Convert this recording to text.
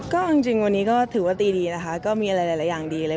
ก็จริงวันนี้ก็ถือว่าตีดีนะคะก็มีอะไรหลายอย่างดีเลย